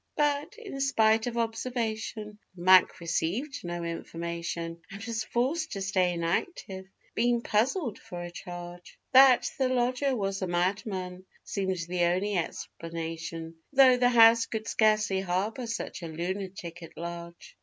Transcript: But, in spite of observation, Mac. received no information And was forced to stay inactive, being puzzled for a charge. That the lodger was a madman seemed the only explanation, Tho' the house would scarcely harbour such a lunatic at large.